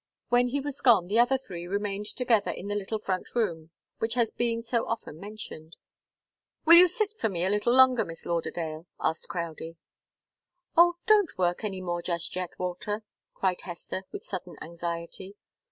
When he was gone the other three remained together in the little front room, which has been so often mentioned. "Will you sit for me a little longer, Miss Lauderdale?" asked Crowdie. "Oh, don't work any more just yet, Walter!" cried Hester, with sudden anxiety.